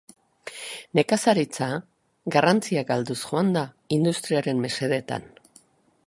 Nekazaritza garrantzia galduz joan da industriaren mesedetan.